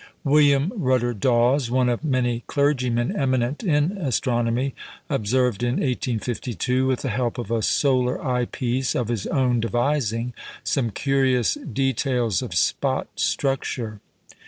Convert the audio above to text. William Rutter Dawes, one of many clergymen eminent in astronomy, observed, in 1852, with the help of a solar eye piece of his own devising, some curious details of spot structure.